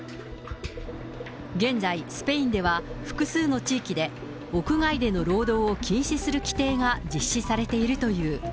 現在、スペインでは、複数の地域で屋外での労働を禁止する規定が実施されているという。